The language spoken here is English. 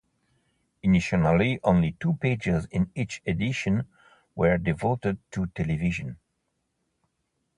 Initially only two pages in each edition were devoted to television.